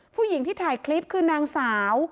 ผู้หญิงที่ถ่ายคลิปคือนางสาว